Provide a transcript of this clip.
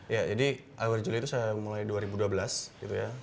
ya jadi awal juli itu saya mulai dua ribu dua belas gitu ya